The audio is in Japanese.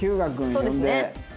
そうですね。